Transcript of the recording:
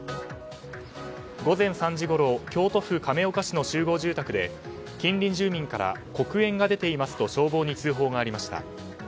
午前３時ごろ京都府亀岡市の集合住宅で近隣住民から黒煙が出ていますと消防に通報がありました。